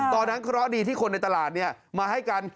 ตอนนั้นข้อดีที่คนในตลาดนี่มาให้กัน